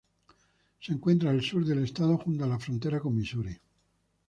Se encuentra al sur del estado, junto a la frontera con Misuri.